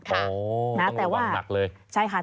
ต้องระวังหนักเลย